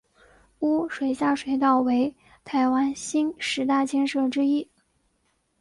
污水下水道为台湾新十大建设之一。